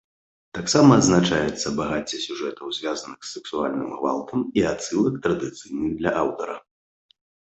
Таксама адзначаецца багацце сюжэтаў, звязаных з сексуальным гвалтам, і адсылак, традыцыйных для аўтара.